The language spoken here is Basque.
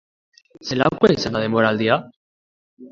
Zelakoa izan da denboraldia?